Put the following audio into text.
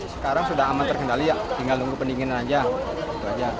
sekarang sudah aman terkendali tinggal tunggu pendinginan saja